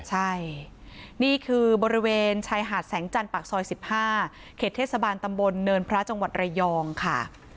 ใช่นี่คือบริเวณชายหาดแสงจันทร์ปากซอย๑๕เขตเทศบาลตำบลเนินพระจังหวัดระยองค่ะ